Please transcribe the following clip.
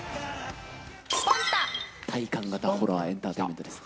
体感型ホラーエンターテインメントです。